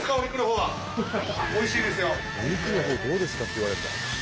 「お肉のほうどうですか？」って言われるんだ。